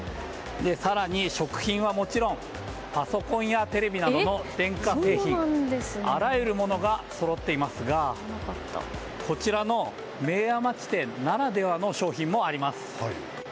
更に、食品はもちろんパソコンやテレビなどの電化製品あらゆるものがそろっていますがこちらの明和町店ならではの商品もあります。